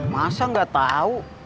masa gak tahu